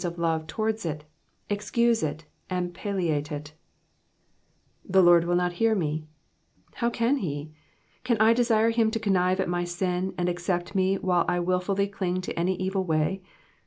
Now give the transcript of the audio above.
180 of love towards it, excuse it, and palliate it ; ^^The Lord mil not htar me,'*'* How can he ? Can I desire him to connive at my sin, and accept me while I wilfully cling to any evil way